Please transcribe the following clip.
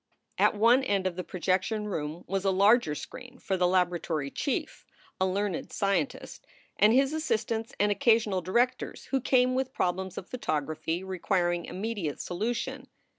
At one end of the projection room was a larger screen for the laboratory chief (a learned scientist) and his assistants and occasional directors who came with problems of photography requiring immediate solution.